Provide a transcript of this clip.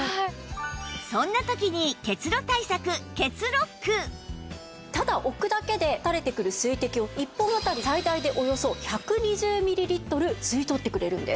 そんな時にただ置くだけで垂れてくる水滴を１本あたり最大でおよそ１２０ミリリットル吸い取ってくれるんです。